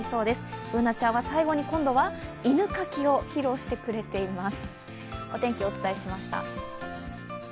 Ｂｏｏｎａちゃんは最後に犬かきを披露してくれています。